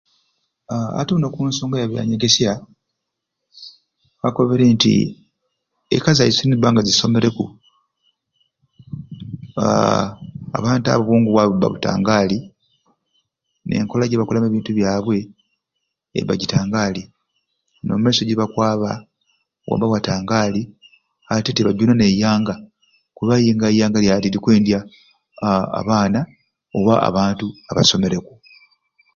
Aaa ati buni okunsonga ya byanyegesya bakobere nti eka zaiswe ne ziba nga zisomereku aa abantu abo obwingi bwabwe buba butangaali enkola ya bintu byabwe eba gitangaali omu maiso gyebakwaba wabba watangaali atete bajuna n'eyanga kuba eyanga lyati likwendya haa abaana oba abantu abasomereku.